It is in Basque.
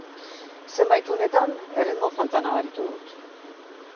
Zenbait unetan erritmo falta nabaritu dut.